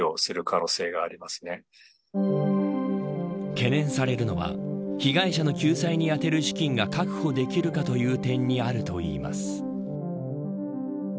懸念されるのは被害者の救済に充てる資金が確保できるかという点にあるといいます。